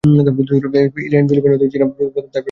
Iran, Philippine ও চীনা Taipei প্রথম বারের মত অংশগ্রহণ করে।